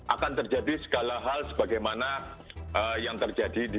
akan terjadi segala hal sebagaimana yang terjadi di